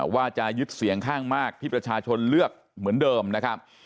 ว่าจะยึดเสียงข้างมากที่ประชาชนเลือกเหมือนเดิมนะครับ